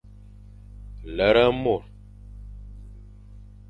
Lere mor.